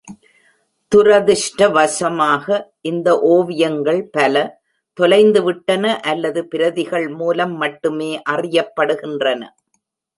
துரதிர்ஷ்டவசமாக, இந்த ஓவியங்கள் பல தொலைந்துவிட்டன அல்லது பிரதிகள் மூலம் மட்டுமே அறியப்படுகின்றன.